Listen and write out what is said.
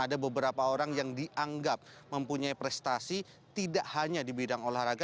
ada beberapa orang yang dianggap mempunyai prestasi tidak hanya di bidang olahraga